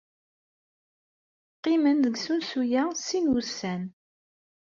Qqimen deg usensu-a sin n wussan.